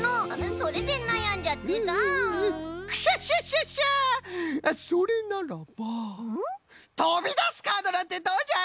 それならば「とびだすカード」なんてどうじゃい？